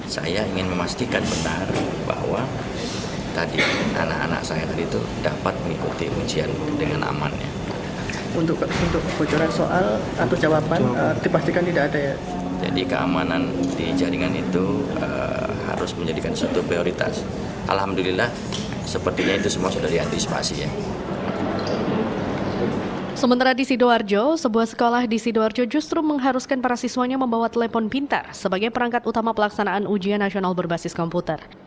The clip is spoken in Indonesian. sementara di sidoarjo sebuah sekolah di sidoarjo justru mengharuskan para siswanya membawa telpon pintar sebagai perangkat utama pelaksanaan ujian nasional berbasis komputer